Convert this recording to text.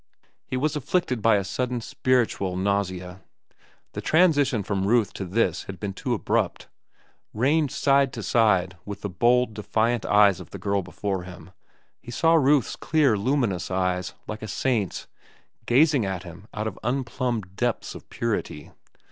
He was afflicted by a sudden spiritual nausea. The transition from Ruth to this had been too abrupt. Ranged side by side with the bold, defiant eyes of the girl before him, he saw Ruth's clear, luminous eyes, like a saint's, gazing at him out of unplumbed depths of purity.